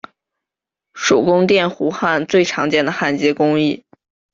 手工电弧焊最常见的焊接工艺。